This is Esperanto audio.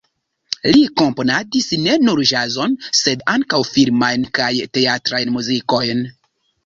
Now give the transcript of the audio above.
Li komponadis ne nur ĵazon, sed ankaŭ filmajn kaj teatrajn muzikojn.